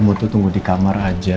semua itu tunggu dikamar aja